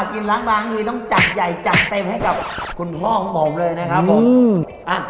กินล้างบางนี่ต้องจัดใหญ่จัดเต็มให้กับคุณพ่อของผมเลยนะครับผมอ่ะ